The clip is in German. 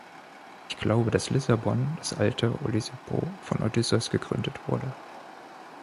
Ich glaube, dass Lissabon, das alte Olisipo, von Odysseus gegründet wurde.